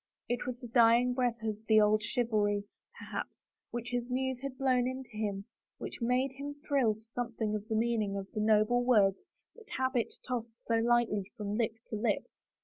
It was the dying breath of the old chivalry, per haps, which his muse had blown into him which made him thrill to something of the meaning of the noble words that habit tossed so lightly from lip to lip.